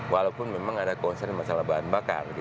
walaupun memang ada concern masalah bahan bakar